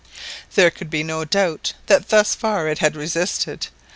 There could be no doubt that thus far it had resisted.